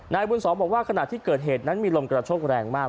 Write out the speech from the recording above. บุญสองบอกว่าขณะที่เกิดเหตุนั้นมีลมกระโชกแรงมาก